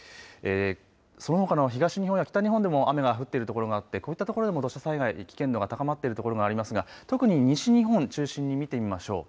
そのほかの東日本や北日本でも雨が降っているところがあってこういった所でも土砂災害危険度が高まっている所がありますが特に西日本を中心に見てみましょう。